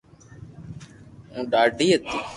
او ڌادي ھتي